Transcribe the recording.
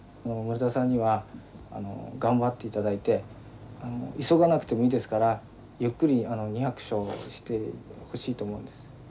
村田さんには頑張っていただいて急がなくてもいいですからゆっくり２００勝してほしいと思うんです。